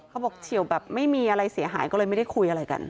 เฉียวแบบไม่มีอะไรเสียหายก็เลยไม่ได้คุยอะไรกัน